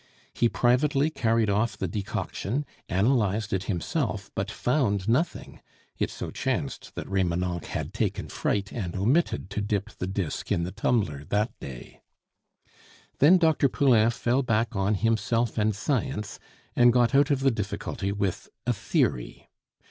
He privately carried off the decoction, analyzed it himself, but found nothing. It so chanced that Remonencq had taken fright and omitted to dip the disc in the tumbler that day. Then Dr. Poulain fell back on himself and science and got out of the difficulty with a theory.